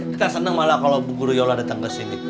kita seneng malah kalau bu guru yola datang kesini